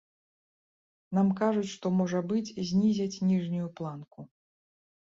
Нам кажуць, што, можа быць, знізяць ніжнюю планку.